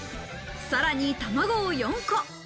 さらに卵を４個。